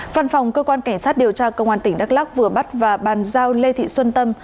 văn phòng cơ quan cảnh sát điều tra công an tỉnh đắk lắc vừa bắt và bàn giao lê thị xuân tâm